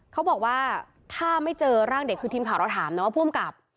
เขาบอกว่าถ้าไม่เจอร่างเด็กคือทีมข่าวเราถามนะว่าผู้อำกับ